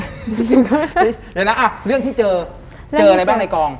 เดี๋ยวนะเรื่องที่เจอเจออะไรบ้างในกอง